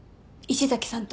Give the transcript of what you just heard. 石崎さん。